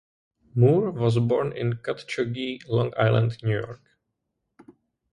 Moore was born in Cutchogue, Long Island, New York.